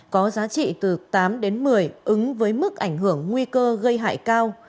có giá trị từ tám đến một mươi ứng với mức ảnh hưởng nguy cơ gây hại cao